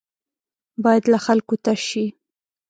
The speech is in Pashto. بايد له خلکو تش شي.